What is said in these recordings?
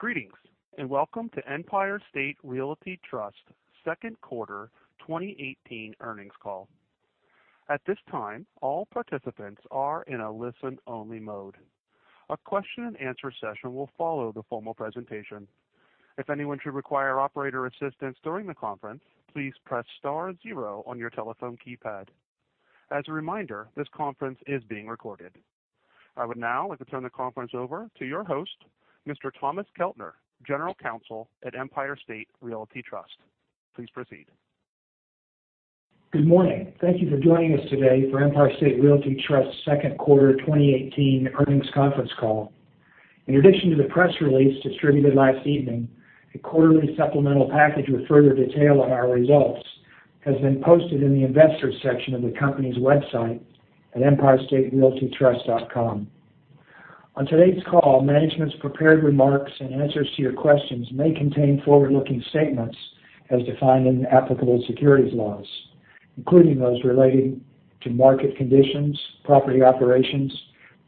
Greetings. Welcome to Empire State Realty Trust second quarter 2018 earnings call. At this time, all participants are in a listen-only mode. A question and answer session will follow the formal presentation. If anyone should require operator assistance during the conference, please press star zero on your telephone keypad. As a reminder, this conference is being recorded. I would now like to turn the conference over to your host, Mr. Thomas Keltner, general counsel at Empire State Realty Trust. Please proceed. Good morning. Thank you for joining us today for Empire State Realty Trust second quarter 2018 earnings conference call. In addition to the press release distributed last evening, a quarterly supplemental package with further detail on our results has been posted in the Investors section of the company's website at empirestaterealtytrust.com. On today's call, management's prepared remarks and answers to your questions may contain forward-looking statements as defined in applicable securities laws, including those relating to market conditions, property operations,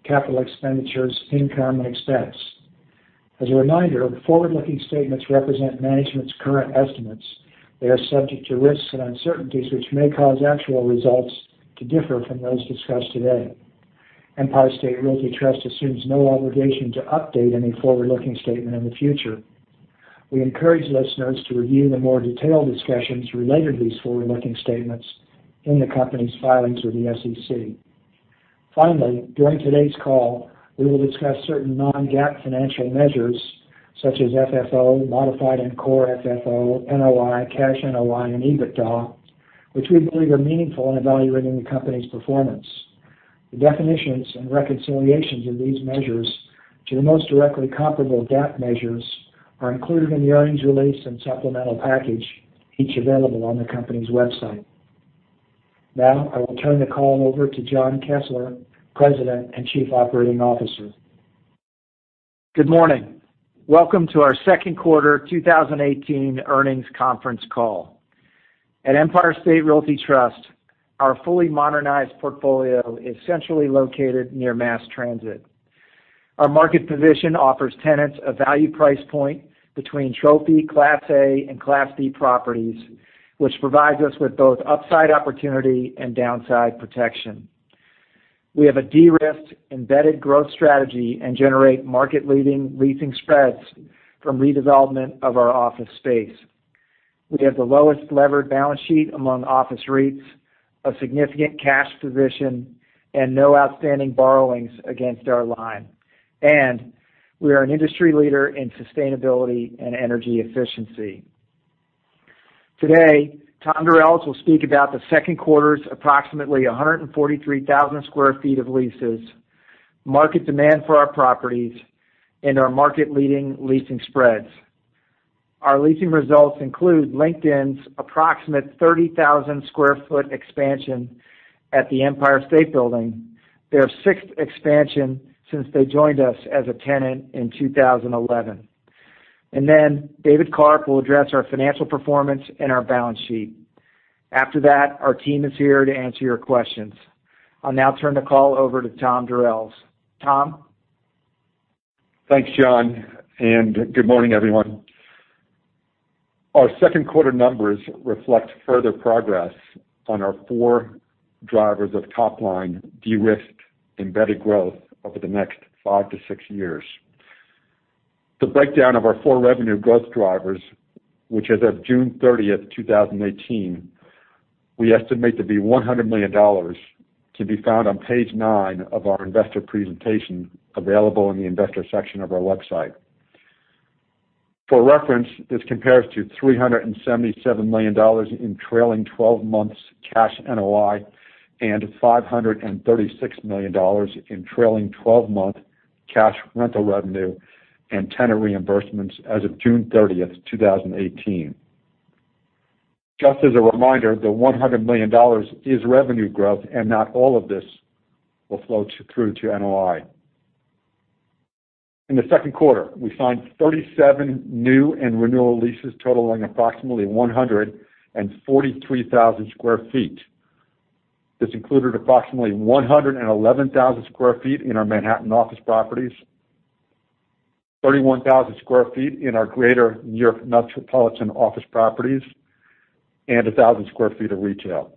capital expenditures, income, and expense. As a reminder, forward-looking statements represent management's current estimates. They are subject to risks and uncertainties, which may cause actual results to differ from those discussed today. Empire State Realty Trust assumes no obligation to update any forward-looking statement in the future. We encourage listeners to review the more detailed discussions related to these forward-looking statements in the company's filings with the SEC. Finally, during today's call, we will discuss certain non-GAAP financial measures such as FFO, modified and Core FFO, NOI, Cash NOI, and EBITDA, which we believe are meaningful in evaluating the company's performance. The definitions and reconciliations of these measures to the most directly comparable GAAP measures are included in the earnings release and supplemental package, each available on the company's website. Now, I will turn the call over to John Kessler, President and Chief Operating Officer. Good morning. Welcome to our second quarter 2018 earnings conference call. At Empire State Realty Trust, our fully modernized portfolio is centrally located near mass transit. Our market position offers tenants a value price point between trophy class A and class B properties, which provides us with both upside opportunity and downside protection. We have a de-risked, embedded growth strategy and generate market-leading leasing spreads from redevelopment of our office space. We have the lowest levered balance sheet among office REITs, a significant cash position, and no outstanding borrowings against our line. We are an industry leader in sustainability and energy efficiency. Today, Tom Durels will speak about the second quarter's approximately 143,000 sq ft of leases, market demand for our properties, and our market-leading leasing spreads. Our leasing results include LinkedIn's approximate 30,000 sq ft expansion at the Empire State Building, their sixth expansion since they joined us as a tenant in 2011. David Karp will address our financial performance and our balance sheet. After that, our team is here to answer your questions. I'll now turn the call over to Tom Durels. Tom. Thanks, John, and good morning, everyone. Our second quarter numbers reflect further progress on our four drivers of top-line de-risked embedded growth over the next five to six years. The breakdown of our four revenue growth drivers, which as of June 30, 2018, we estimate to be $100 million, can be found on page nine of our investor presentation available in the Investor section of our website. For reference, this compares to $377 million in trailing 12 months Cash NOI and $536 million in trailing 12-month cash rental revenue and tenant reimbursements as of June 30, 2018. Just as a reminder, the $100 million is revenue growth and not all of this will flow through to NOI. In the second quarter, we signed 37 new and renewal leases totaling approximately 143,000 sq ft. This included approximately 111,000 sq ft in our Manhattan office properties, 31,000 sq ft in our Greater New York Metropolitan office properties, and 1,000 sq ft of retail.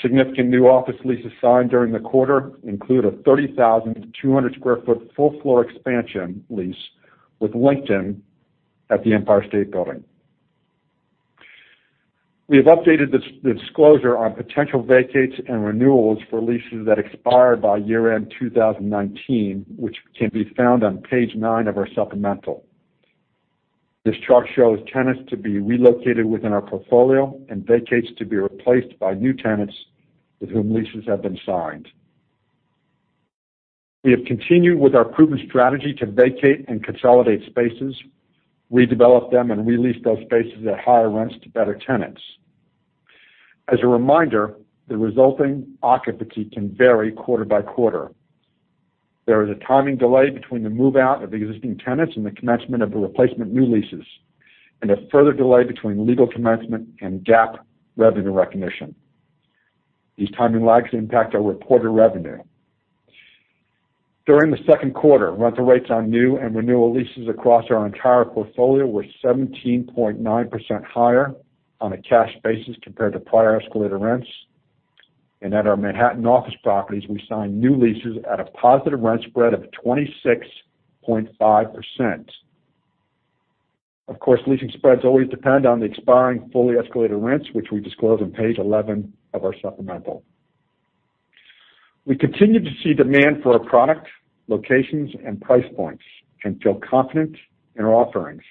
Significant new office leases signed during the quarter include a 30,200 sq ft full floor expansion lease with LinkedIn at the Empire State Building. We have updated the disclosure on potential vacates and renewals for leases that expire by year-end 2019, which can be found on page nine of our supplemental. This chart shows tenants to be relocated within our portfolio and vacates to be replaced by new tenants with whom leases have been signed. We have continued with our proven strategy to vacate and consolidate spaces, redevelop them, and re-lease those spaces at higher rents to better tenants. As a reminder, the resulting occupancy can vary quarter by quarter. There is a timing delay between the move-out of existing tenants and the commencement of the replacement new leases, and a further delay between legal commencement and GAAP revenue recognition. These timing lags impact our reported revenue. During the second quarter, rental rates on new and renewal leases across our entire portfolio were 17.9% higher on a cash basis compared to prior escalated rents. At our Manhattan office properties, we signed new leases at a positive rent spread of 26.5%. Of course, leasing spreads always depend on the expiring fully escalated rents, which we disclose on page 11 of our supplemental. We continue to see demand for our product, locations, and price points and feel confident in our offerings.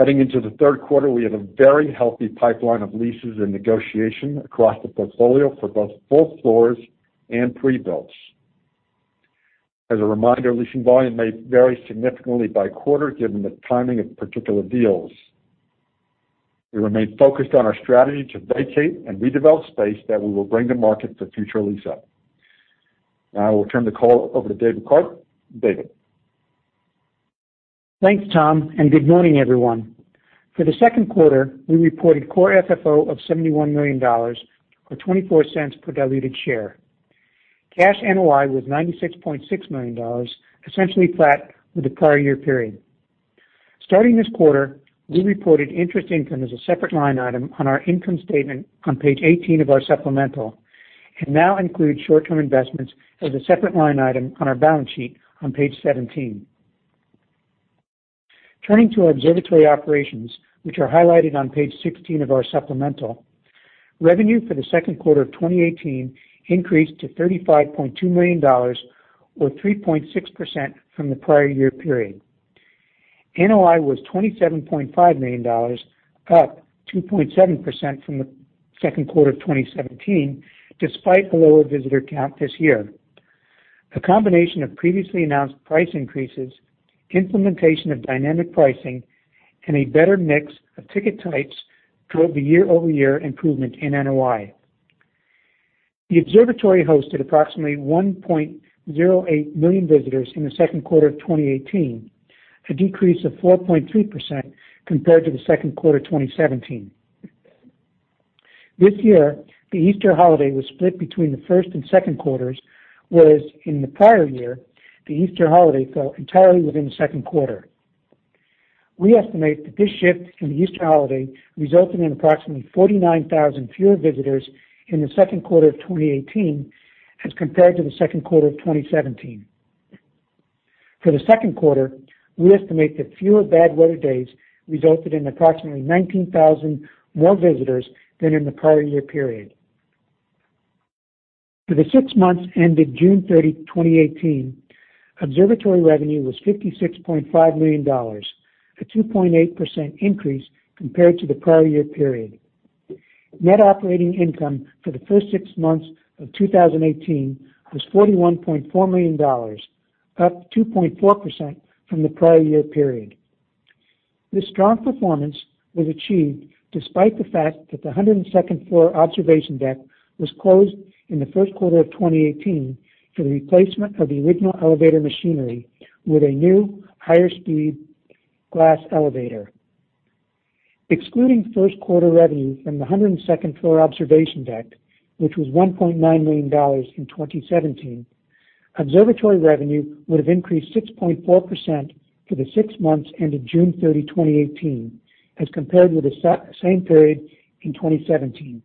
Heading into the third quarter, we have a very healthy pipeline of leases and negotiation across the portfolio for both full floors and pre-builds. As a reminder, leasing volume may vary significantly by quarter, given the timing of particular deals. We remain focused on our strategy to vacate and redevelop space that we will bring to market for future lease-up. I will turn the call over to David Karp. David? Thanks, Tom. Good morning, everyone. For the second quarter, we reported Core FFO of $71 million, or $0.24 per diluted share. Cash NOI was $96.6 million, essentially flat with the prior year period. Starting this quarter, we reported interest income as a separate line item on our income statement on page 18 of our supplemental. Include short-term investments as a separate line item on our balance sheet on page 17. Turning to our observatory operations, which are highlighted on page 16 of our supplemental, revenue for the second quarter of 2018 increased to $35.2 million or 3.6% from the prior year period. NOI was $27.5 million, up 2.7% from the second quarter of 2017, despite the lower visitor count this year. A combination of previously announced price increases, implementation of Dynamic Pricing, and a better mix of ticket types drove the year-over-year improvement in NOI. The observatory hosted approximately 1.08 million visitors in the second quarter of 2018, a decrease of 4.3% compared to the second quarter of 2017. This year, the Easter holiday was split between the first and second quarters, whereas in the prior year, the Easter holiday fell entirely within the second quarter. We estimate that this shift in the Easter holiday resulted in approximately 49,000 fewer visitors in the second quarter of 2018 as compared to the second quarter of 2017. For the second quarter, we estimate that fewer bad weather days resulted in approximately 19,000 more visitors than in the prior year period. For the six months ended June 30, 2018, observatory revenue was $56.5 million, a 2.8% increase compared to the prior year period. Net operating income for the first six months of 2018 was $41.4 million, up 2.4% from the prior year period. This strong performance was achieved despite the fact that the 102nd-floor observation deck was closed in the first quarter of 2018 for the replacement of the original elevator machinery with a new, higher-speed glass elevator. Excluding first quarter revenue from the 102nd-floor observation deck, which was $1.9 million in 2017, observatory revenue would have increased 6.4% for the six months ended June 30, 2018, as compared with the same period in 2017.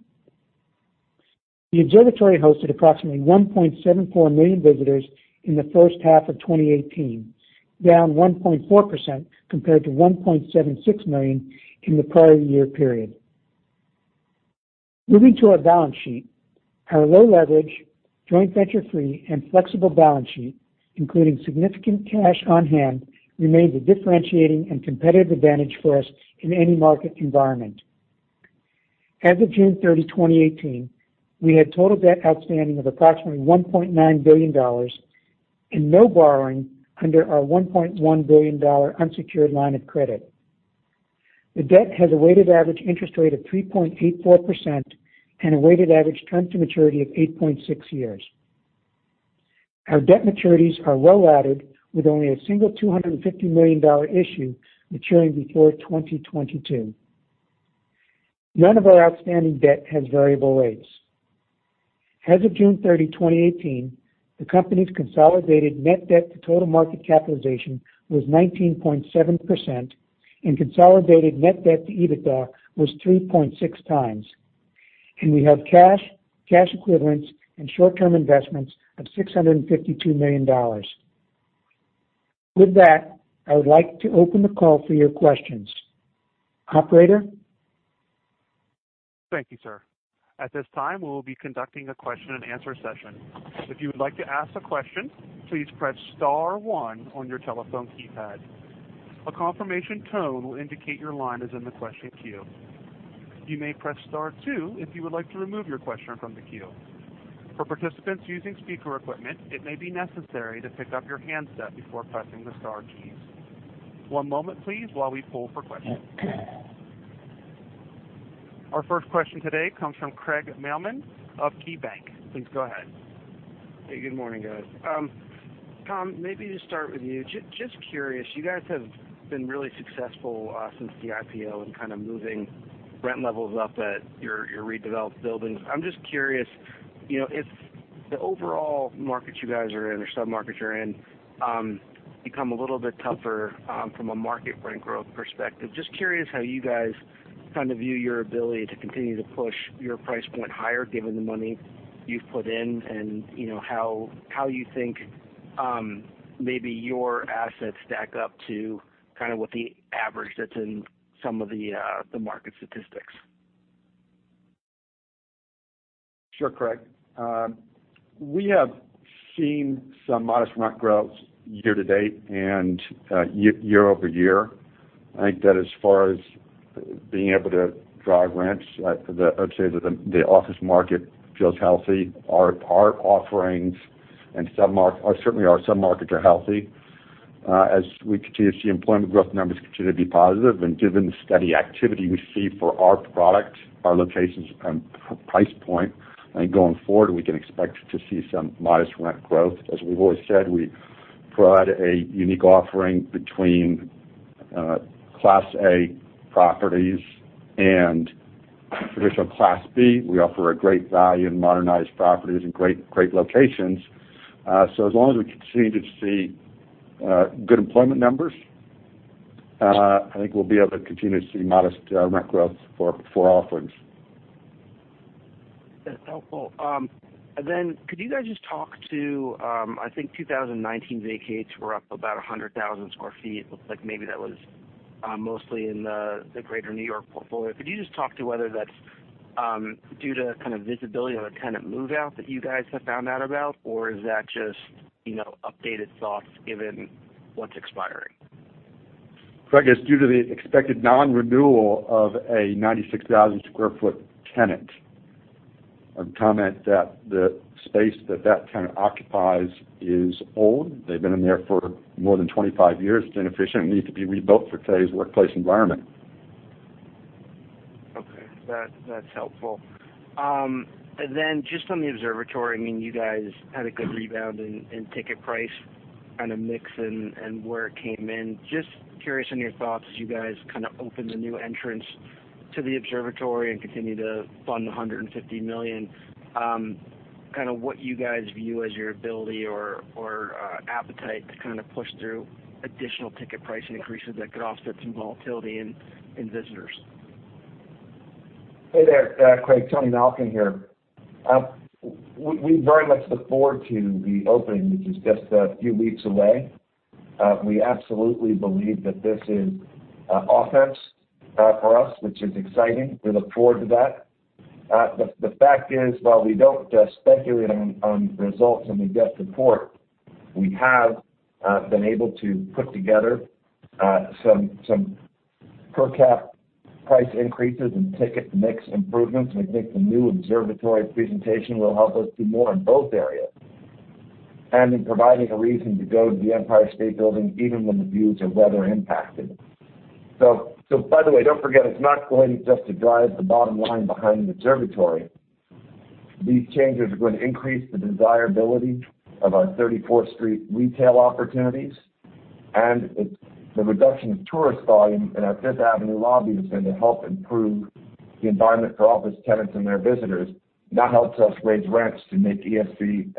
The observatory hosted approximately 1.74 million visitors in the first half of 2018, down 1.4% compared to 1.76 million in the prior year period. Moving to our balance sheet, our low leverage, joint venture free, and flexible balance sheet, including significant cash on hand, remains a differentiating and competitive advantage for us in any market environment. As of June 30, 2018, we had total debt outstanding of approximately $1.9 billion and no borrowing under our $1.1 billion unsecured line of credit. The debt has a weighted average interest rate of 3.84% and a weighted average term to maturity of 8.6 years. Our debt maturities are well-laddered with only a single $250 million issue maturing before 2022. None of our outstanding debt has variable rates. As of June 30, 2018, the company's consolidated net debt to total market capitalization was 19.7% and consolidated net debt to EBITDA was 3.6 times. We have cash equivalents, and short-term investments of $652 million. With that, I would like to open the call for your questions. Operator? Thank you, sir. At this time, we will be conducting a question and answer session. If you would like to ask a question, please press star one on your telephone keypad. A confirmation tone will indicate your line is in the question queue. You may press star two if you would like to remove your question from the queue. For participants using speaker equipment, it may be necessary to pick up your handset before pressing the star keys. One moment, please, while we poll for questions. Our first question today comes from Craig Mailman of KeyBanc. Please go ahead. Hey, good morning, guys. Tom, maybe to start with you, just curious, you guys have been really successful since the IPO in kind of moving rent levels up at your redeveloped buildings. I'm just curious, if the overall markets you guys are in or sub-markets you're in become a little bit tougher from a market rent growth perspective, just curious how you guys view your ability to continue to push your price point higher given the money you've put in, and how you think maybe your assets stack up to kind of what the average that's in some of the market statistics. Sure, Craig. We have seen some modest rent growth year-to-date and year-over-year. I think that as far as being able to drive rents, I'd say that the office market feels healthy. Our offerings and certainly our sub-markets are healthy. As we continue to see employment growth numbers continue to be positive and given the steady activity we see for our product, our locations, and price point, I think going forward, we can expect to see some modest rent growth. As we've always said, we provide a unique offering between Class A properties and traditional Class B. We offer a great value in modernized properties and great locations. As long as we continue to see good employment numbers, I think we'll be able to continue to see modest rent growth for offerings. That's helpful. Could you guys just talk to, I think 2019 vacates were up about 100,000 sq ft. It looks like maybe that was mostly in the greater New York portfolio. Could you just talk to whether that's due to kind of visibility of a tenant move-out that you guys have found out about, or is that just updated thoughts given what's expiring? Craig, it's due to the expected non-renewal of a 96,000 sq ft tenant. I'd comment that the space that that tenant occupies is old. They've been in there for more than 25 years. It's inefficient and needs to be rebuilt for today's workplace environment. Okay. That's helpful. Just on the observatory, I mean, you guys had a good rebound in ticket price kind of mix and where it came in. Just curious on your thoughts as you guys kind of open the new entrance to the observatory and continue to fund the $150 million, what you guys view as your ability or appetite to kind of push through additional ticket price increases that could offset some volatility in visitors. Hey there, Craig. Tony Malkin here. We very much look forward to the opening, which is just a few weeks away. We absolutely believe that this is offense for us, which is exciting. We look forward to that. The fact is, while we don't speculate on results when we get the report, we have been able to put together some per cap price increases and ticket mix improvements, and we think the new observatory presentation will help us do more in both areas, and in providing a reason to go to the Empire State Building even when the views are weather impacted. By the way, don't forget, it's not going just to drive the bottom line behind the observatory. These changes are going to increase the desirability of our 34th Street retail opportunities, and the reduction of tourist volume in our Fifth Avenue lobby is going to help improve the environment for office tenants and their visitors. That helps us raise rents to make ESB,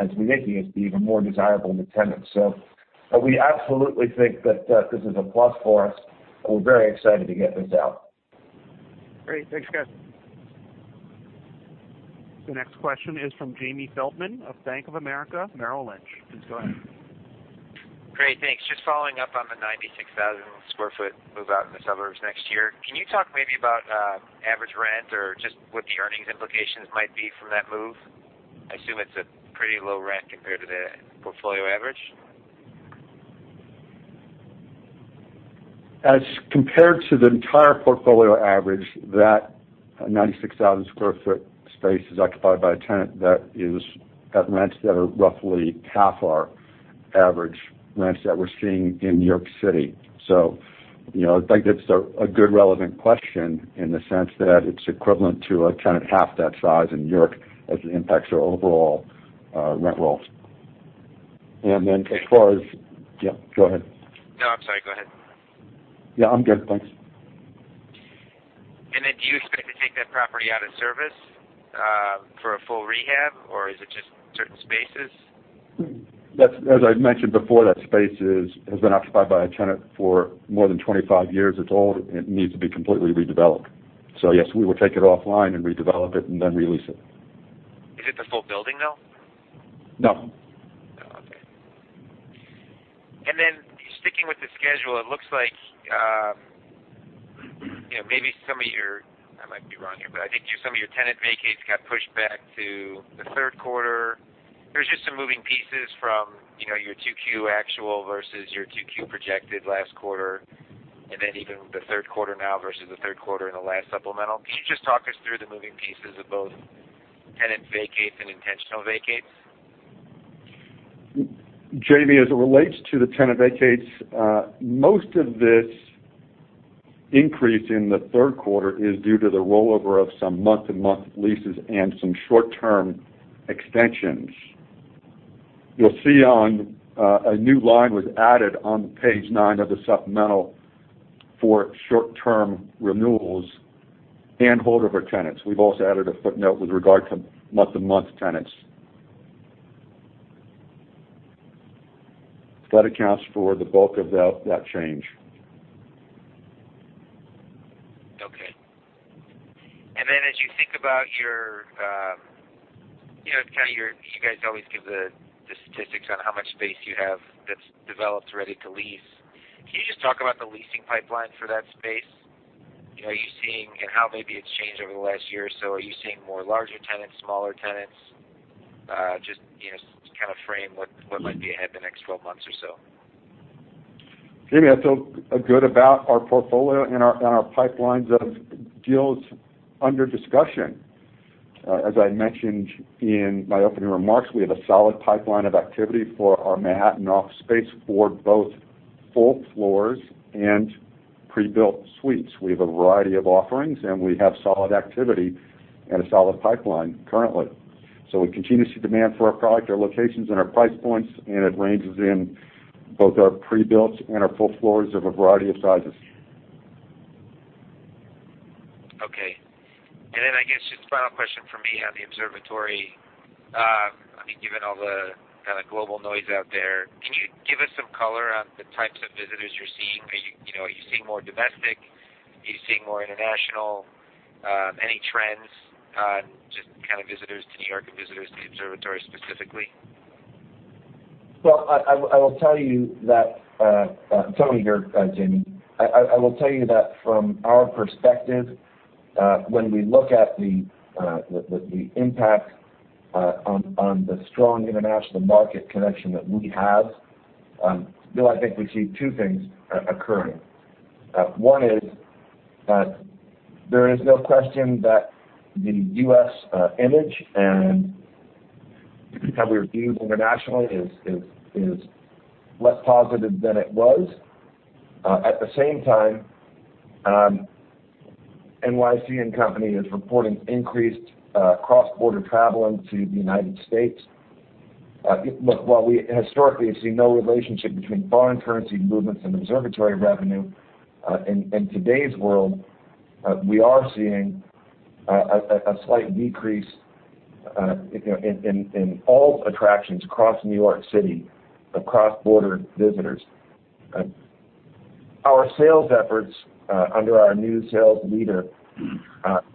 as we make ESB even more desirable to tenants. We absolutely think that this is a plus for us, and we're very excited to get this out. Great. Thanks, guys. The next question is from Jamie Feldman of Bank of America Merrill Lynch. Please go ahead. Great. Thanks. Just following up on the 96,000 square foot move-out in the suburbs next year. Can you talk maybe about average rent or just what the earnings implications might be from that move? I assume it's a pretty low rent compared to the portfolio average. As compared to the entire portfolio average, that 96,000 sq ft space is occupied by a tenant that is at rents that are roughly half our average rents that we're seeing in New York City. I think that's a good relevant question in the sense that it's equivalent to a tenant half that size in New York as it impacts our overall rent roll. As far as Yeah, go ahead. No, I'm sorry. Go ahead. Yeah, I'm good. Thanks. Do you expect to take that property out of service for a full rehab, or is it just certain spaces? As I mentioned before, that space has been occupied by a tenant for more than 25 years. It's old. It needs to be completely redeveloped. Yes, we will take it offline and redevelop it, and then re-lease it. Is it the full building, though? No. Okay. Sticking with the schedule, it looks like maybe some of your, I might be wrong here, but I think some of your tenant vacates got pushed back to the third quarter. There's just some moving pieces from your 2Q actual versus your 2Q projected last quarter, and then even the third quarter now versus the third quarter in the last supplemental. Can you just talk us through the moving pieces of both tenant vacates and intentional vacates? Jamie, as it relates to the tenant vacates, most of this increase in the third quarter is due to the rollover of some month-to-month leases and some short-term extensions. You'll see a new line was added on page nine of the supplemental for short-term renewals and holdover tenants. We've also added a footnote with regard to month-to-month tenants. That accounts for the bulk of that change. Okay. As you think about your, you guys always give the statistics on how much space you have that's developed, ready to lease. Can you just talk about the leasing pipeline for that space? Are you seeing, and how maybe it's changed over the last year or so, are you seeing more larger tenants, smaller tenants? Just to kind of frame what might be ahead the next 12 months or so. Jamie, I feel good about our portfolio and our pipelines of deals under discussion. As I mentioned in my opening remarks, we have a solid pipeline of activity for our Manhattan office space for both full floors and pre-built suites. We have a variety of offerings, and we have solid activity and a solid pipeline currently. We continue to see demand for our product, our locations, and our price points, and it ranges in both our pre-builts and our full floors of a variety of sizes. Okay. I guess just final question from me on the Observatory. I mean, given all the kind of global noise out there, can you give us some color on the types of visitors you're seeing? Are you seeing more domestic? Are you seeing more international? Any trends on just kind of visitors to New York and visitors to the Observatory specifically? Well, I will tell you that, Tony here, Jamie. I will tell you that from our perspective, when we look at the impact on the strong international market connection that we have, Bill, I think we see two things occurring. One is that there is no question that the U.S. image and how we're viewed internationally is less positive than it was. At the same time, NYC & Company is reporting increased cross-border traveling to the United States. Look, while we historically have seen no relationship between foreign currency movements and Observatory revenue, in today's world, we are seeing a slight decrease in all attractions across New York City of cross-border visitors. Our sales efforts under our new sales leader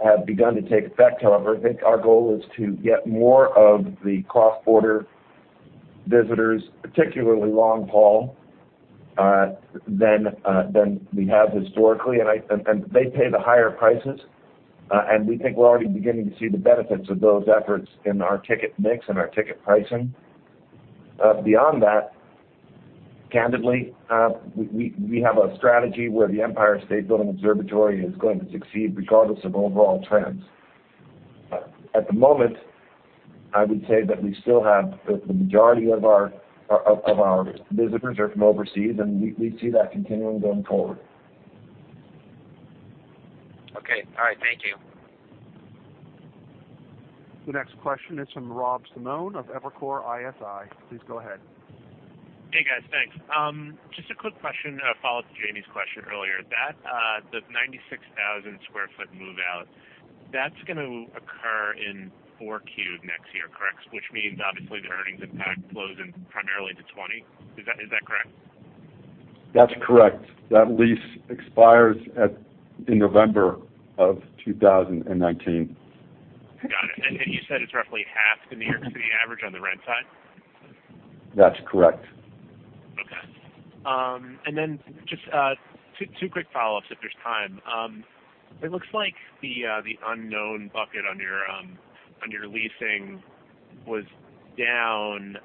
have begun to take effect, however. I think our goal is to get more of the cross-border visitors, particularly long haul, than we have historically. They pay the higher prices. We think we're already beginning to see the benefits of those efforts in our ticket mix and our ticket pricing. Beyond that, candidly, we have a strategy where the Empire State Building Observatory is going to succeed regardless of overall trends. At the moment, I would say that we still have the majority of our visitors are from overseas. We see that continuing going forward. Okay. All right. Thank you. The next question is from Robert Simone of Evercore ISI. Please go ahead. Hey, guys. Thanks. Just a quick question, a follow-up to Jamie's question earlier. The 96,000 square foot move-out, that's going to occur in 4Q next year, correct? Which means obviously the earnings impact flows in primarily to 2020, is that correct? That's correct. That lease expires in November of 2019. Got it. You said it's roughly half the New York City average on the rent side? That's correct. Okay. Just two quick follow-ups, if there's time. It looks like the unknown bucket on your leasing was down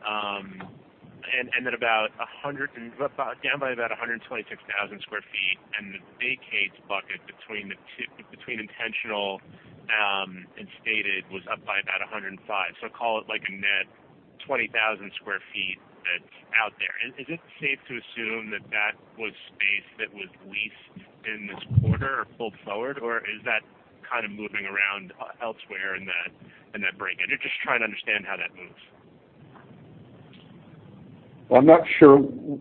by about 126,000 square feet, and the vacates bucket between intentional and stated was up by about 105. Call it like a net 20,000 square feet that's out there. Is it safe to assume that that was space that was leased in this quarter or pulled forward, or is that kind of moving around elsewhere in that break? I'm just trying to understand how that moves. Well, I'm not sure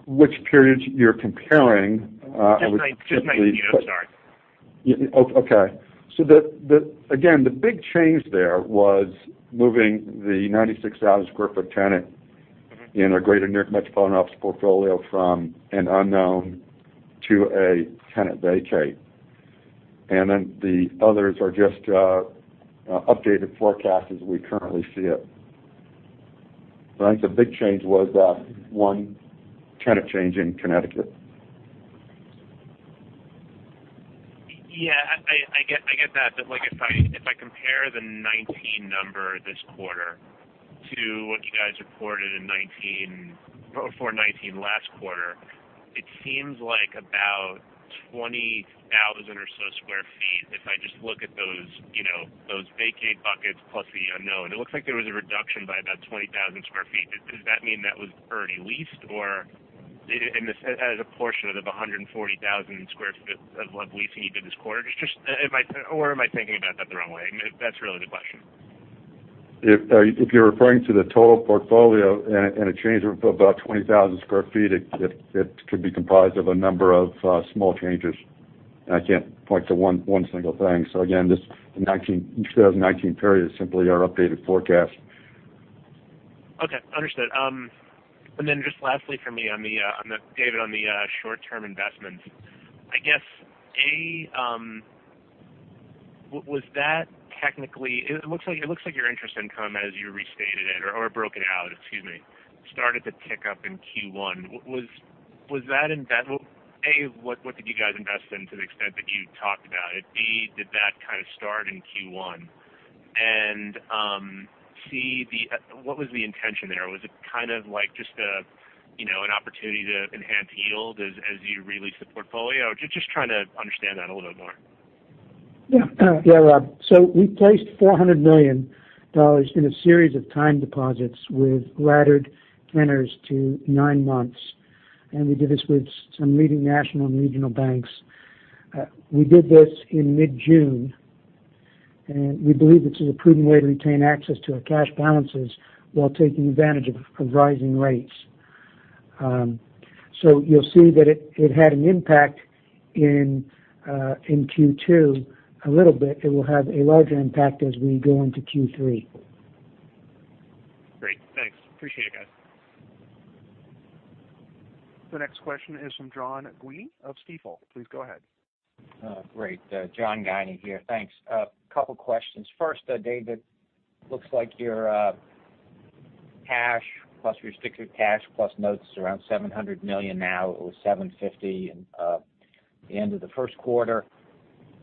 which periods you're comparing. Just 2019. I'm sorry. Again, the big change there was moving the 96,000 square foot tenant in our Greater New York Metropolitan Office portfolio from an unknown to a tenant vacate. The others are just updated forecast as we currently see it. I think the big change was that one tenant change in Connecticut. Yeah, I get that. If I compare the 2019 number this quarter to what you guys reported in 2019, before 2019 last quarter. It seems like about 20,000 or so square feet, if I just look at those vacate buckets plus the unknown. It looks like there was a reduction by about 20,000 square feet. Does that mean that was already leased, or as a portion of the 140,000 square feet of what leasing you did this quarter? Am I thinking about that the wrong way? That's really the question. If you're referring to the total portfolio and a change of about 20,000 sq ft, it could be comprised of a number of small changes. I can't point to one single thing. Again, this 2019 period is simply our updated forecast. Okay. Understood. Then just lastly from me, David, on the short-term investments. I guess, A, it looks like your interest income as you restated it or broke it out, excuse me, started to tick up in Q1. A, what did you guys invest in to the extent that you talked about it? B, did that kind of start in Q1? C, what was the intention there? Was it kind of like just an opportunity to enhance yield as you re-lease the portfolio? Just trying to understand that a little bit more. Yeah, Rob. We placed $400 million in a series of time deposits with laddered tenors to nine months, we did this with some leading national and regional banks. We did this in mid-June, we believe this is a prudent way to retain access to our cash balances while taking advantage of rising rates. You'll see that it had an impact in Q2 a little bit. It will have a larger impact as we go into Q3. Great. Thanks. Appreciate it, guys. The next question is from John Guinee of Stifel. Please go ahead. Great. John Guinee here. Thanks. A couple questions. First, David, looks like your cash plus restricted cash plus notes is around $700 million now. It was $750 in the end of the first quarter.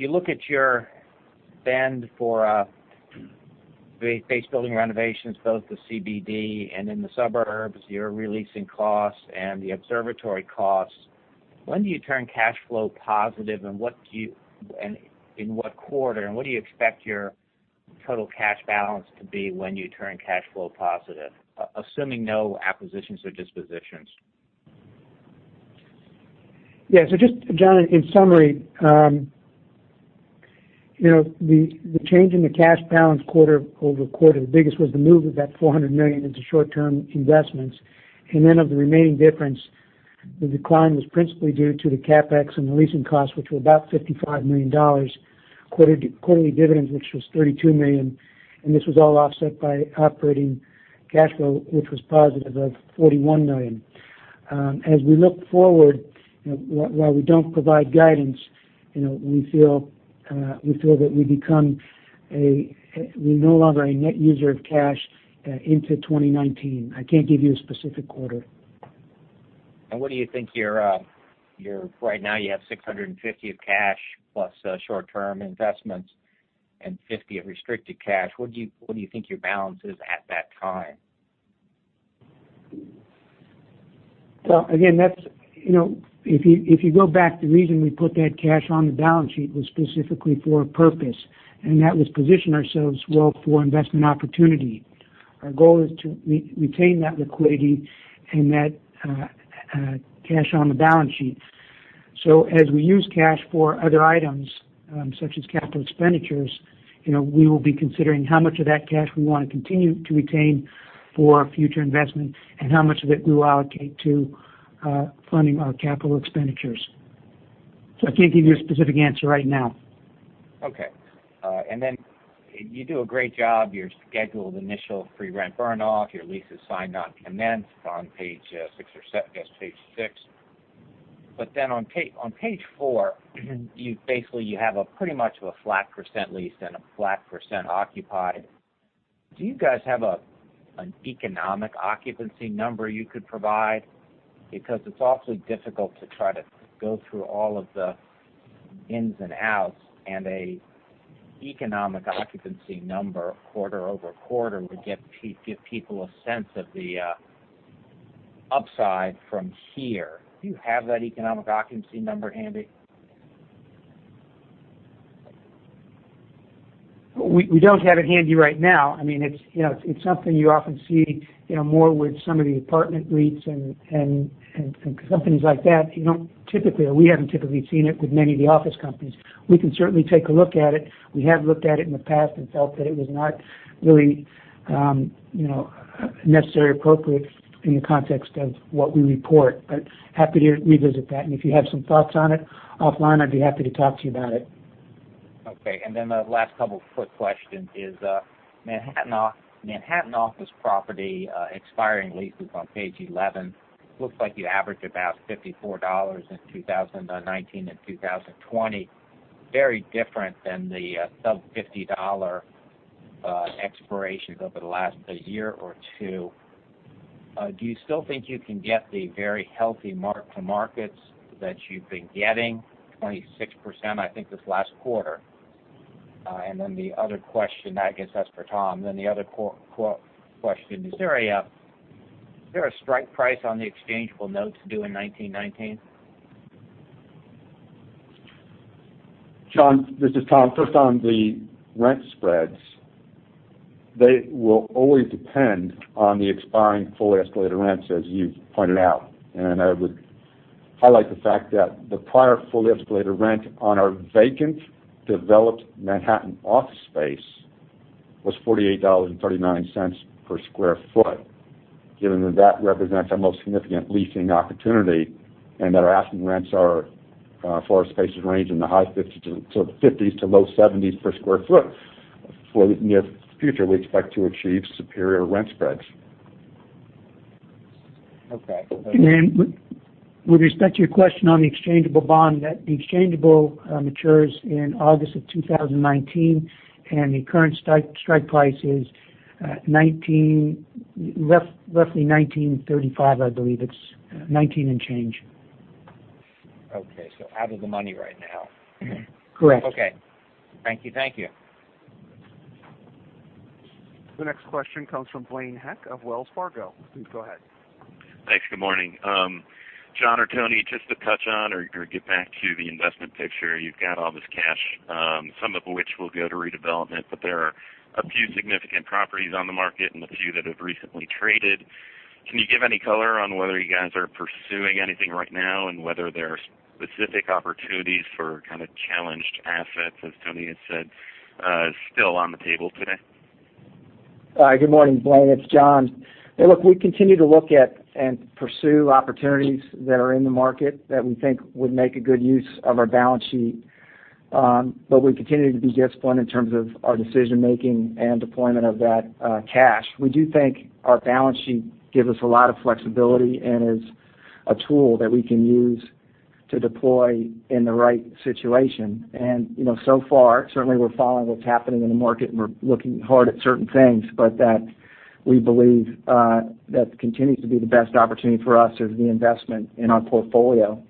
You look at your spend for base building renovations, both the CBD and in the suburbs, your re-leasing costs and the Observatory costs. When do you turn cash flow positive and in what quarter, and what do you expect your total cash balance to be when you turn cash flow positive, assuming no acquisitions or dispositions? Yeah. Just, John, in summary, the change in the cash balance quarter-over-quarter, the biggest was the move of that $400 million into short-term investments. Of the remaining difference, the decline was principally due to the CapEx and the leasing costs, which were about $55 million. Quarterly dividends, which was $32 million. This was all offset by operating cash flow, which was positive of $41 million. As we look forward, while we don't provide guidance, we feel that we're no longer a net user of cash into 2019. I can't give you a specific quarter. What do you think your right now you have $650 of cash plus short-term investments and $50 of restricted cash. What do you think your balance is at that time? Again, if you go back, the reason we put that cash on the balance sheet was specifically for a purpose, that was position ourselves well for investment opportunity. Our goal is to retain that liquidity and that cash on the balance sheet. As we use cash for other items, such as capital expenditures, we will be considering how much of that cash we want to continue to retain for future investment and how much of it we will allocate to funding our capital expenditures. I can't give you a specific answer right now. Okay. You do a great job, your scheduled initial free rent burn-off, your leases signed not commenced on page six or seven, I guess page six. On page four, you basically have a pretty much of a flat % lease and a flat % occupied. Do you guys have an economic occupancy number you could provide? Because it's awfully difficult to try to go through all of the ins and outs and an economic occupancy number quarter-over-quarter would give people a sense of the upside from here. Do you have that economic occupancy number handy? We don't have it handy right now. It's something you often see more with some of the apartment REITs and companies like that. We haven't typically seen it with many of the office companies. We can certainly take a look at it. We have looked at it in the past and felt that it was not really necessary appropriate in the context of what we report. Happy to revisit that, and if you have some thoughts on it offline, I'd be happy to talk to you about it. Okay. The last couple quick questions is Manhattan Office Property expiring leases on page 11. Looks like you average about $54 in 2019 and 2020. Very different than the sub $50 expirations over the last year or two. Do you still think you can get the very healthy mark-to-markets that you've been getting, 26%, I think, this last quarter? The other question, I guess that's for Tom. The other question, is there a strike price on the exchangeable notes due in 2019? John, this is Tom. First on the rent spreads, they will always depend on the expiring fully escalated rents, as you pointed out. I would highlight the fact that the prior fully escalated rent on our vacant, developed Manhattan office space was $48.39 per square foot. Given that that represents our most significant leasing opportunity and that our asking rents are, for our spaces, range in the high 50s to low 70s per square foot. For the near future, we expect to achieve superior rent spreads. Okay. With respect to your question on the exchangeable bond, the exchangeable matures in August of 2019. The current strike price is roughly $19.35, I believe. It's $19 and change. Okay. Out of the money right now. Correct. Okay. Thank you. The next question comes from Blaine Heck of Wells Fargo. Please go ahead. Thanks. Good morning. John or Tony, just to touch on or get back to the investment picture, you've got all this cash, some of which will go to redevelopment, but there are a few significant properties on the market and a few that have recently traded. Can you give any color on whether you guys are pursuing anything right now, and whether there are specific opportunities for kind of challenged assets, as Tony has said, still on the table today? Good morning, Blaine. It's John. Hey, look, we continue to look at and pursue opportunities that are in the market that we think would make a good use of our balance sheet. We continue to be disciplined in terms of our decision-making and deployment of that cash. We do think our balance sheet gives us a lot of flexibility and is a tool that we can use to deploy in the right situation. So far, certainly we're following what's happening in the market, and we're looking hard at certain things, that we believe that continues to be the best opportunity for us is the investment in our portfolio,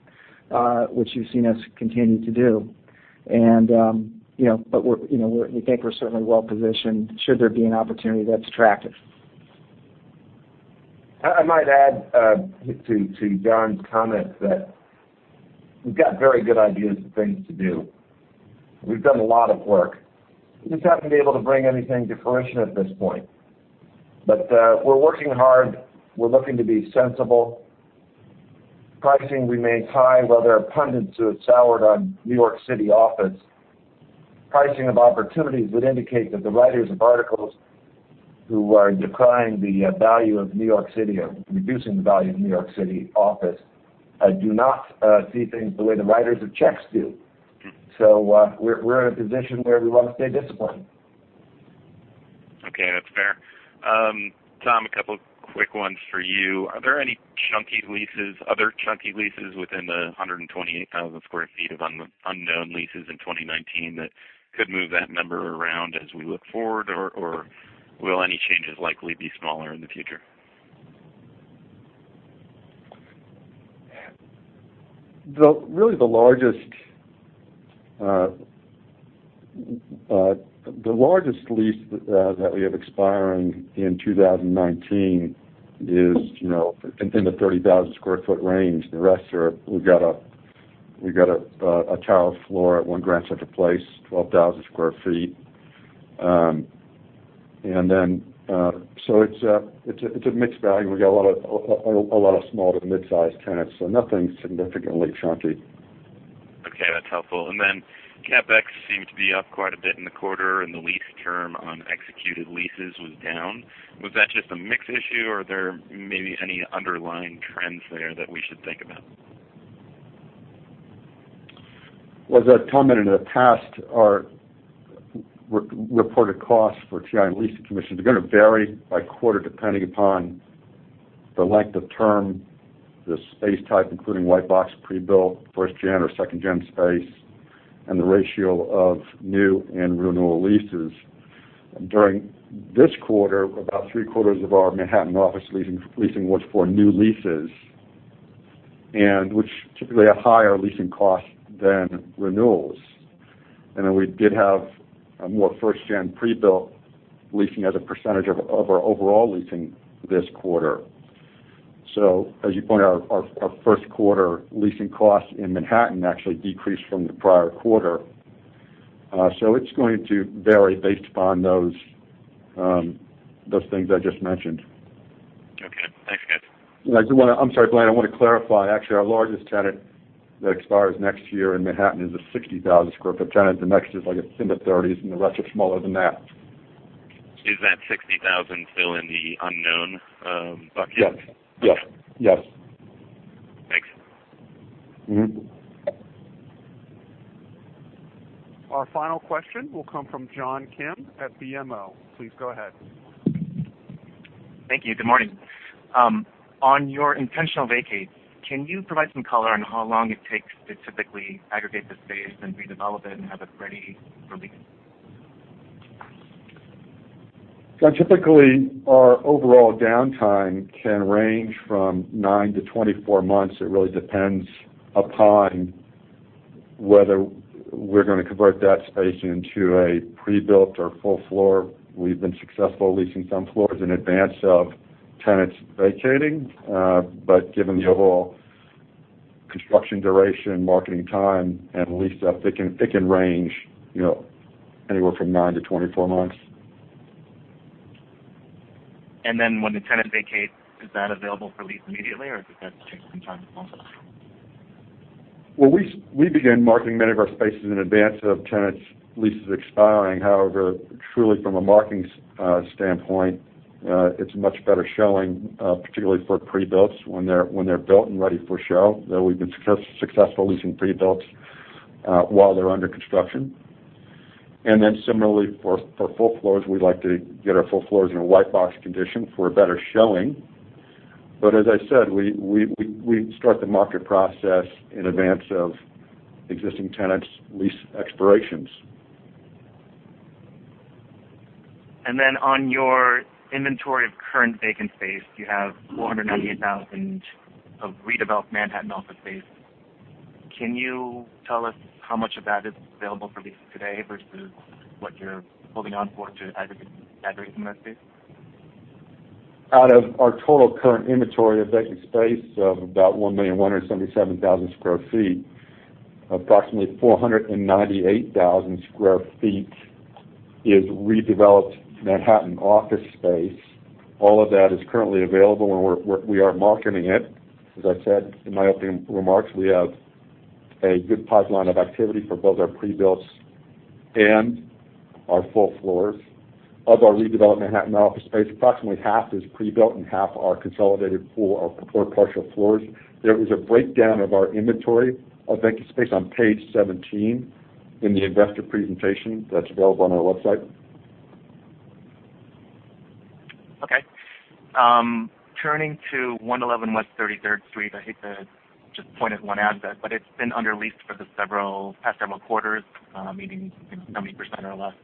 which you've seen us continue to do. We think we're certainly well positioned should there be an opportunity that's attractive. I might add to John's comment that we've got very good ideas of things to do. We've done a lot of work. We just haven't been able to bring anything to fruition at this point. We're working hard. We're looking to be sensible. Pricing remains high. While there are pundits who have soured on New York City office, pricing of opportunities would indicate that the writers of articles who are decrying the value of New York City or reducing the value of New York City office, do not see things the way the writers of checks do. We're in a position where we want to stay disciplined. Okay, that's fair. Tom, a couple quick ones for you. Are there any chunky leases, other chunky leases within the 128,000 sq ft of unknown leases in 2019 that could move that number around as we look forward? Or will any changes likely be smaller in the future? Really the largest lease that we have expiring in 2019 is in the 30,000 sq ft range. The rest are, we've got a tower floor at One Grand Central Place, 12,000 sq ft. It's a mixed bag. We got a lot of small to mid-size tenants, nothing significantly chunky. CapEx seemed to be up quite a bit in the quarter, and the lease term on executed leases was down. Was that just a mix issue, or are there maybe any underlying trends there that we should think about? Well, as I've commented in the past, our reported cost for TI and leasing commissions are going to vary by quarter depending upon the length of term, the space type, including white box, pre-built, first-gen or second-gen space, and the ratio of new and renewal leases. During this quarter, about three quarters of our Manhattan office leasing was for new leases, which typically a higher leasing cost than renewals. We did have a more first-gen pre-built leasing as a percentage of our overall leasing this quarter. As you point out, our first quarter leasing costs in Manhattan actually decreased from the prior quarter. It's going to vary based upon those things I just mentioned. Okay, thanks guys. I'm sorry, Blaine, I want to clarify. Actually, our largest tenant that expires next year in Manhattan is a 60,000-square-foot tenant. The next is like it's in the 30s, and the rest are smaller than that. Is that 60,000 still in the unknown bucket? Yes. Thanks. Our final question will come from John Kim at BMO. Please go ahead. Thank you. Good morning. On your intentional vacates, can you provide some color on how long it takes to typically aggregate the space and redevelop it and have it ready for leasing? Typically, our overall downtime can range from 9-24 months. It really depends upon whether we're going to convert that space into a pre-built or full floor. We've been successful leasing some floors in advance of tenants vacating. Given the overall construction duration, marketing time, and lease-up, it can range anywhere from 9-24 months. When the tenant vacates, is that available for lease immediately, or does that take some time as well? Well, we begin marketing many of our spaces in advance of tenants' leases expiring. However, truly from a marketing standpoint, it's much better showing, particularly for pre-builts when they're built and ready for show, though we've been successful leasing pre-builts while they're under construction. Similarly, for full floors, we like to get our full floors in a white box condition for a better showing. As I said, we start the market process in advance of existing tenants' lease expirations. On your inventory of current vacant space, you have 498,000 of redeveloped Manhattan office space. Can you tell us how much of that is available for lease today versus what you're holding on for to aggregate that space? Out of our total current inventory of vacant space of about 1,177,000 square feet, approximately 498,000 square feet is redeveloped Manhattan office space. All of that is currently available, and we are marketing it. As I said in my opening remarks, we have a good pipeline of activity for both our pre-builts and our full floors. Of our redeveloped Manhattan office space, approximately half is pre-built and half are consolidated full or partial floors. There is a breakdown of our inventory of vacant space on page 17 in the investor presentation that's available on our website. Okay. Turning to 111 West 33rd Street, I hate to just point at one asset, but it's been under leased for the past several quarters, meaning it's 70% or less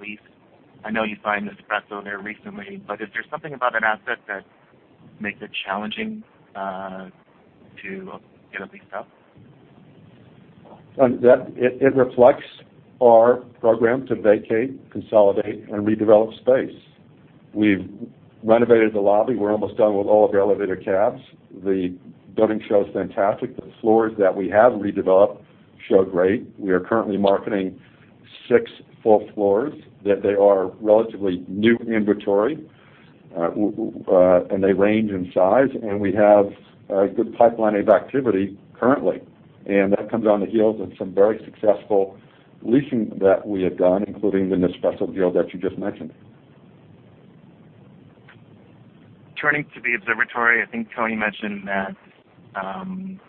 leased. I know you signed Nespresso there recently, but is there something about that asset that makes it challenging to get a lease up? It reflects our program to vacate, consolidate, and redevelop space. We've renovated the lobby. We're almost done with all of the elevator cabs. The building shows fantastic. The floors that we have redeveloped show great. We are currently marketing six full floors that are relatively new inventory, and they range in size, and we have a good pipeline of activity currently. That comes on the heels of some very successful leasing that we have done, including the Nespresso deal that you just mentioned. Turning to the observatory, I think Tony mentioned that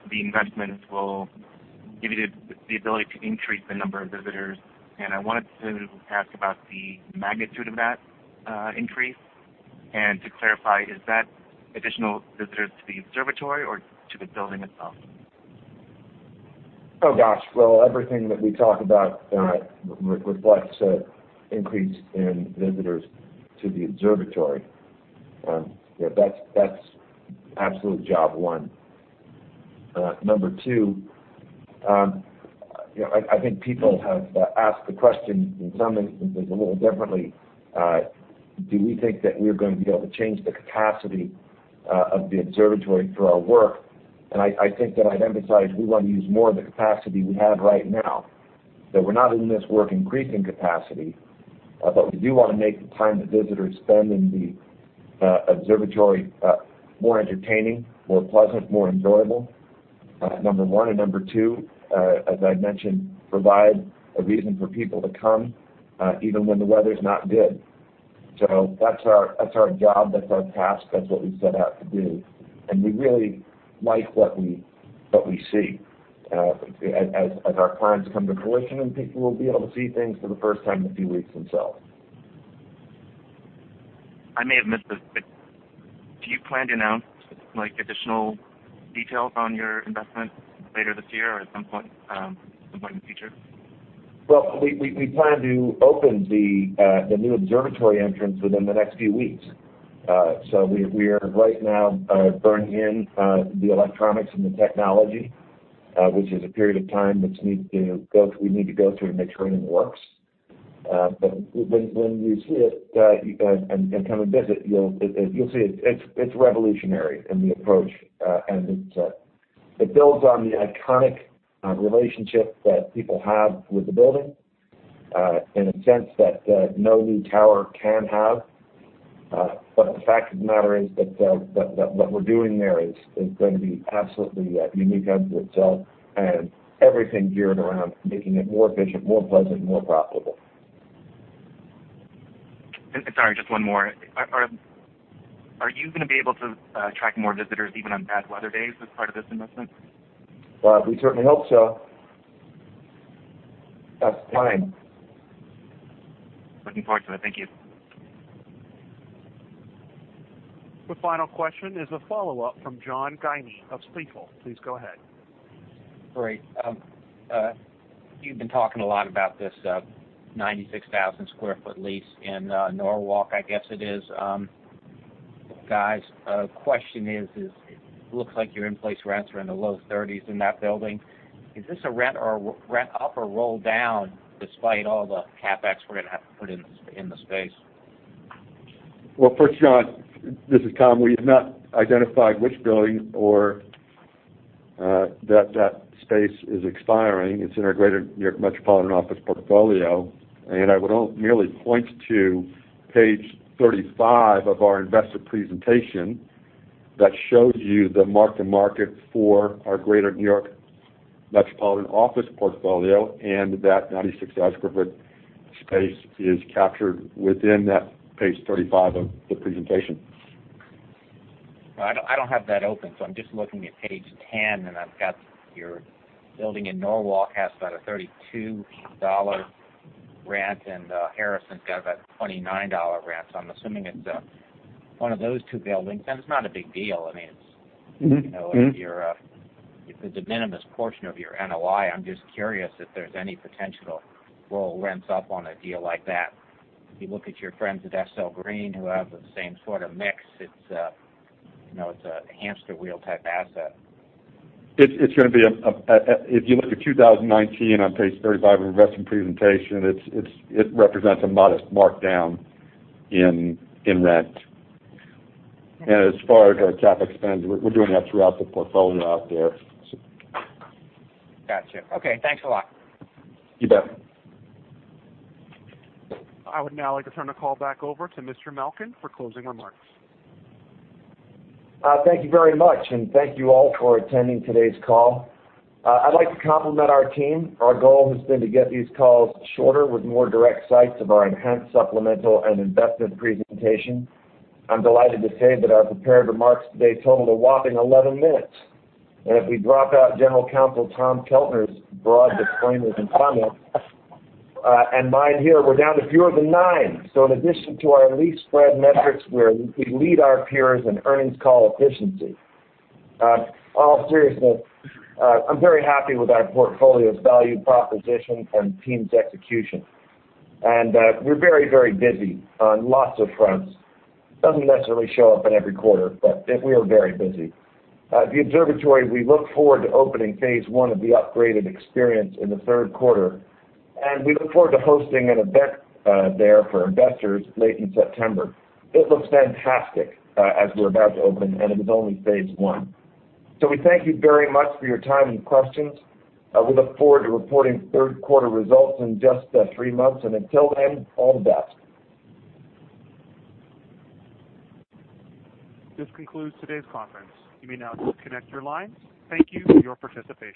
the investments will give you the ability to increase the number of visitors. I wanted to ask about the magnitude of that increase and to clarify, is that additional visitors to the observatory or to the building itself? Oh, gosh. Well, everything that we talk about reflects an increase in visitors to the observatory. That's absolute job one. Number two, I think people have asked the question, some a little differently, do we think that we're going to be able to change the capacity of the observatory through our work? I think that I'd emphasize, we want to use more of the capacity we have right now, that we're not in this work increasing capacity. We do want to make the time that visitors spend in the observatory more entertaining, more pleasant, more enjoyable, number one. Number two, as I mentioned, provide a reason for people to come even when the weather's not good. That's our job, that's our task, that's what we set out to do. We really like what we see. As our plans come to fruition, people will be able to see things for the first time in a few weeks themselves. I may have missed this, do you plan to announce additional details on your investment later this year or at some point in the future? We plan to open the new observatory entrance within the next few weeks. We are right now burning in the electronics and the technology, which is a period of time that we need to go through to make sure everything works. When you see it and come and visit, you'll see it's revolutionary in the approach. It builds on the iconic relationship that people have with the building in a sense that no new tower can have. The fact of the matter is that what we're doing there is going to be absolutely unique unto itself and everything geared around making it more efficient, more pleasant, more profitable. Sorry, just one more. Are you going to be able to attract more visitors even on bad weather days as part of this investment? We certainly hope so. That's the plan. Looking forward to it. Thank you. The final question is a follow-up from John Guinee of Stifel. Please go ahead. Great. You've been talking a lot about this 96,000 square foot lease in Norwalk, I guess it is. Guys, question is, it looks like your in-place rents are in the low 30s in that building. Is this a rent up or roll down despite all the CapEx we're going to have to put in the space? Well, first, John, this is Tom. We have not identified which building or that space is expiring. It's in our Greater New York Metropolitan office portfolio. I would merely point to page 35 of our investor presentation that shows you the mark-to-market for our Greater New York Metropolitan office portfolio. That 96,000 square foot space is captured within that page 35 of the presentation. I don't have that open. I'm just looking at page 10. I've got your building in Norwalk has about a $32 rent. Harrison's got about a $29 rent. I'm assuming it's one of those two buildings. It's not a big deal. I mean. it's a de minimis portion of your NOI. I'm just curious if there's any potential to roll rents up on a deal like that. If you look at your friends at SL Green who have the same sort of mix, it's a hamster wheel type asset. If you look at 2019 on page 35 of investment presentation, it represents a modest markdown in rent. As far as our CapEx spend, we're doing that throughout the portfolio out there. Got you. Okay. Thanks a lot. You bet. I would now like to turn the call back over to Mr. Malkin for closing remarks. Thank you very much, and thank you all for attending today's call. I'd like to compliment our team. Our goal has been to get these calls shorter with more direct cites of our enhanced supplemental and investment presentation. I'm delighted to say that our prepared remarks today totaled a whopping 11 minutes. If we drop out general counsel Tom Keltner's broad disclaimers and comments, and mine here, we're down to fewer than nine. In addition to our lease spread metrics, we lead our peers in earnings call efficiency. In all seriousness, I'm very happy with our portfolio's value proposition and team's execution. We're very, very busy on lots of fronts. Doesn't necessarily show up in every quarter, but we are very busy. The Observatory, we look forward to opening phase 1 of the upgraded experience in the third quarter, and we look forward to hosting an event there for investors late in September. It looks fantastic as we're about to open, and it is only phase 1. We thank you very much for your time and questions. We look forward to reporting third quarter results in just three months. Until then, all the best. This concludes today's conference. You may now disconnect your lines. Thank you for your participation.